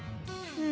うん？